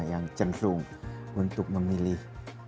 yang cenderung untuk memilih